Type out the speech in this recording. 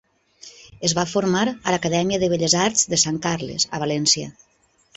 Es va formar a l’Acadèmia de Belles Arts de Sant Carles a València.